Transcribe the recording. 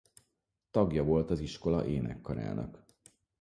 Tagja volt az iskola énekkarának.